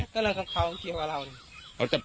ก็เลยกับเขาเกี่ยวกับเรา